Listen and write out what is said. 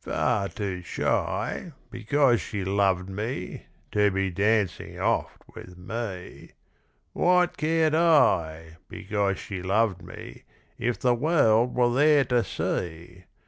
Far too shy, because she loved me, To be dancing oft with me; What cared I, because she loved me, If the world were there to see?